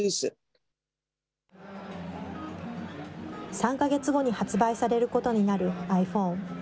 ３か月後に発売されることになるｉＰｈｏｎｅ。